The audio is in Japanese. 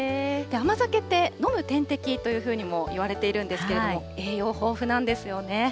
甘酒って、飲む点滴というふうにもいわれているんですけれども、栄養豊富なんですよね。